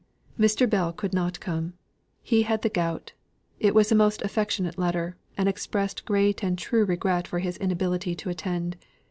Mr. Bell could not come. He had the gout. It was a most affectionate letter, and expressed great and true regret for his inability to attend.